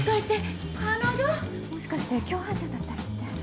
もしかして共犯者だったりして。